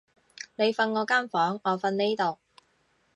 你瞓我間房，我瞓呢度